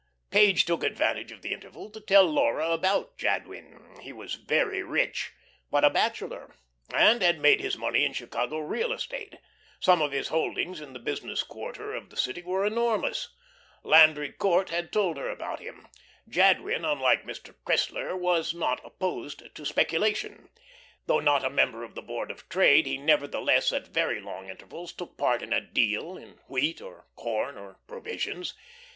Page took advantage of the interval to tell Laura about Jadwin. He was very rich, but a bachelor, and had made his money in Chicago real estate. Some of his holdings in the business quarter of the city were enormous; Landry Court had told her about him. Jadwin, unlike Mr. Cressler, was not opposed to speculation. Though not a member of the Board of Trade, he nevertheless at very long intervals took part in a "deal" in wheat, or corn, or provisions.